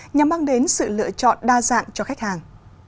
nhằm mang đến sự lựa chọn đa dạng cho khách hàng